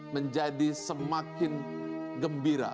menjadi semakin gembira